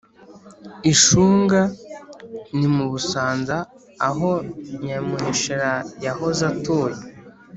i shunga: ni mu busanza, aho nyamuheshera yahoze atuye